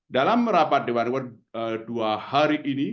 dalam rapat dewan dua hari ini